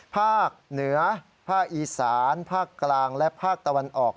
ภาคเหนือภาคอีสานภาคกลางและภาคตะวันออก